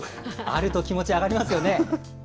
あると気持ち上がりますよね。